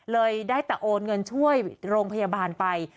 เลยได้แต่โอนเงินช่วยโรงพยาบาลไป